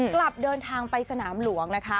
กลับเดินทางไปสนามหลวงนะคะ